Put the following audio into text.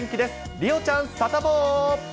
梨央ちゃん、サタボー。